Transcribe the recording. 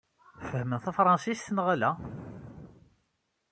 Fehhmen tafṛansist, neɣ ala?